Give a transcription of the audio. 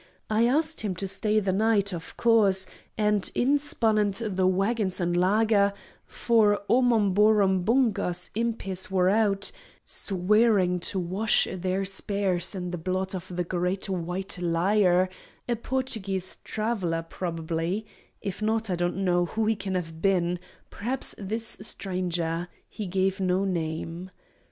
I asked him to stay the night, of course, and inspanned the waggons in laager, for Omomborombunga's impis were out, swearing to wash their spears in the blood of The Great White Liar—a Portuguese traveller probably; if not, I don't know who he can have been; perhaps this stranger: he gave no name.